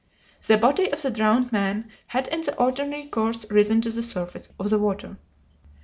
The body of the drowned man had in the ordinary course risen to the surface of the water.